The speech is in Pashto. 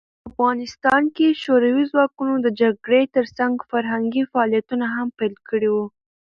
په افغانستان کې شوروي ځواکونه د جګړې ترڅنګ فرهنګي فعالیتونه هم پیل کړي وو.